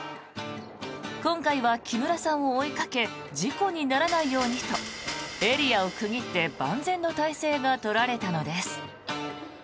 今回は木村さんを追いかけ事故にならないようにとエリアを区切って万全の態勢が取られたのです。